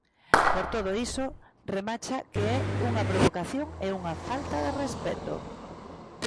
Por todo iso, remacha que "é unha provocación e unha falta de respecto".